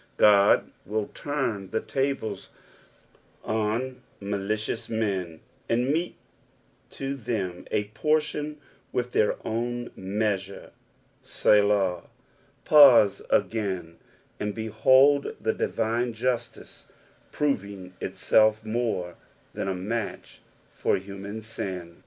God will turn the tables on malicious men, and mete to them a portion with their own meaaure. "Belah." Pause again, and behold the divine justice proving itaelf more than a match for human sin.